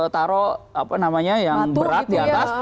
taruh apa namanya yang berat di atas